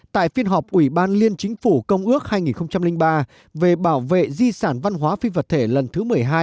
tại phiên họp ủy ban liên chính phủ công ước hai nghìn ba về bảo vệ di sản văn hóa phi vật thể lần thứ một mươi hai